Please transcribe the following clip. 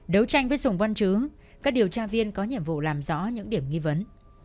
đấu tranh với sùng văn chứ các điều tra viên có nhiệm vụ làm rõ những điểm nghi vấn